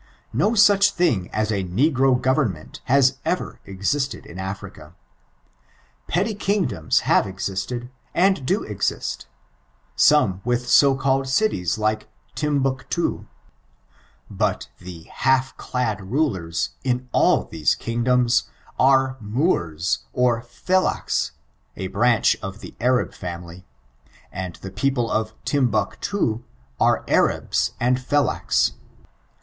No auch thing aa a negro government has ever existed in Africa. Petty Ungdoma have eiiated* and do exist : some with so called citiea like Timbuctoo. But the hatf elad rulers, in all these kingdceos, are Moors or Fellaks, a brandi of the Arab family, and the people of Timbuctoo are Arabs and Fellaka.